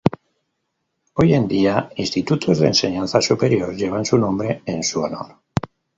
Hoy en día Institutos de Enseñanza Superior llevan su nombre en su honor.